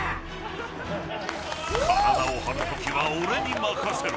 体を張るときは俺に任せろ。